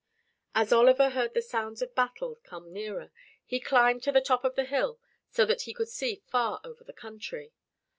As Oliver heard the sounds of battle come nearer, he climbed to the top of the hill, so that he could see far over the country.